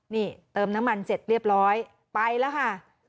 นี่เติมน้ำมันเสร็จเรียบร้อยไปแล้วค่ะ